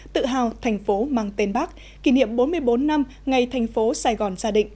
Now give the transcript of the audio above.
tự hào thành phố mang tên bác kỷ niệm bốn mươi bốn năm ngày thành phố sài gòn gia đình